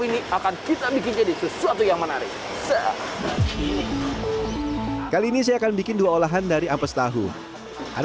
ini akan kita bikin jadi sesuatu yang menarik kali ini saya akan bikin dua olahan dari ampas tahu ada